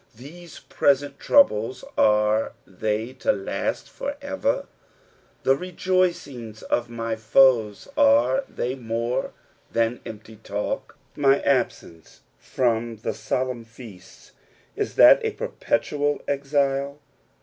These present troubles, are they to last for ever 1 The rejoicings of my foes, are tbcy more than empty talk f My ebicnce from the solemn feasts, is that a perpetual exile